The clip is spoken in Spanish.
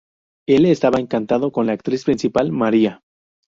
Él estaba encantado con la actriz principal, María.